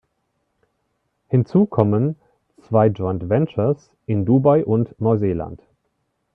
Hinzu kommen zwei Joint Ventures in Dubai und Neuseeland.